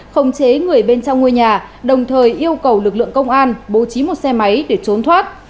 không chế người bên trong ngôi nhà đồng thời yêu cầu lực lượng công an bố trí một xe máy để trốn thoát